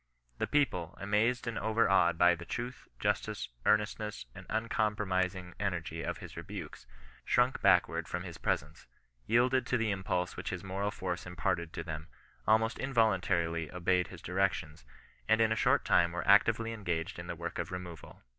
The people, amazed and overawed by the truth, justice, earnestness, and uncompromising energy of his rebukes, shrunk back ward from his presence, yielded to the impulse which his moral force imparted to them, almost involuntarily ' obeyed his directions, and in a short time were actively engaged in the work of removal.